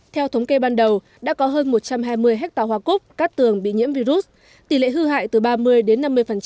theo thống kê ban đầu đã có hơn một trăm hai mươi hectare hoa cúc cát tường bị nhiễm virus tỷ lệ hư hại từ ba mươi đến năm mươi